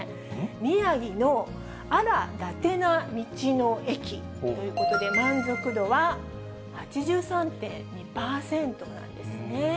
宮城のあ・ら・伊達な道の駅ということで、満足度は８３．２％なんですね。